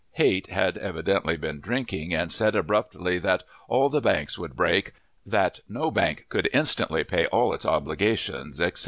Height had evidently been drinking, and said abruptly that "all the banks would break," that "no bank could instantly pay all its obligations," etc.